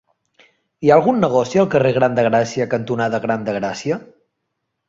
Hi ha algun negoci al carrer Gran de Gràcia cantonada Gran de Gràcia?